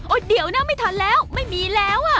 เดี๋ยวนะไม่ทันแล้วไม่มีแล้วอ่ะ